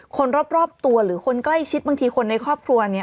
คนรอบตัวหรือคนใกล้ชิดบางทีคนในครอบครัวนี้